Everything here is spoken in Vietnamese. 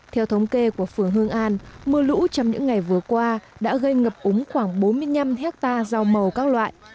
theo thống kê của phường hương an mưa lũ trong những ngày vừa qua đã gây ngập úng khoảng bốn mươi năm hectare rau màu các loại